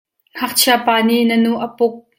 Ngakchia pa nih na nu a puk.